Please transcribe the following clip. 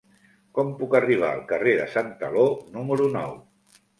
Com puc arribar al carrer de Santaló número nou?